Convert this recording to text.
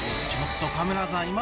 ちょっとカメラさん